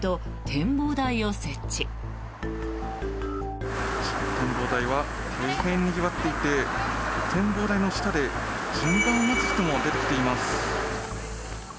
展望台は非常ににぎわっていて展望台の下で順番を待つ人も出てきています。